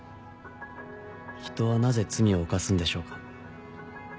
人はなぜ罪を犯すんでしょうか？